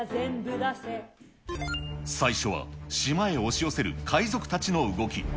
最初は島へ押し寄せる海賊たちの動き。